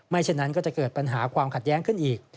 ฉะนั้นก็จะเกิดปัญหาความขัดแย้งขึ้นอีก